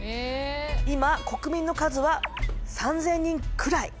今国民の数は３，０００人くらい。